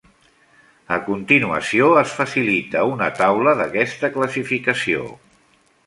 A continuació es facilita una taula d'aquesta classificació.